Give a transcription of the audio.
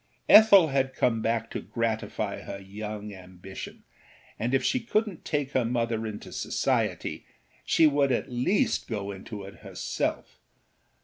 Ethel had come back to gratify her young ambition, and if she couldnât take her mother into society she would at least go into it herself.